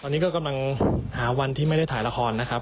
ตอนนี้ก็กำลังหาวันที่ไม่ได้ถ่ายละครนะครับ